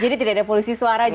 jadi tidak ada polusi suara juga